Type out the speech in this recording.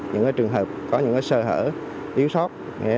những trường hợp có những sơ hở yếu sóc